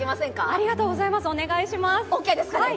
ありがとうございます、お願いします。